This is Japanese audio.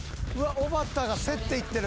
おばたが競っていってる。